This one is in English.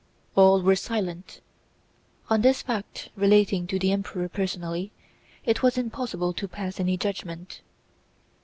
All were silent. On this fact relating to the Emperor personally, it was impossible to pass any judgment.